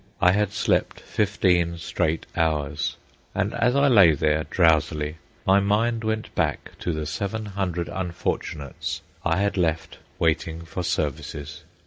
I had slept fifteen straight hours. And as I lay there drowsily, my mind went back to the seven hundred unfortunates I had left waiting for services.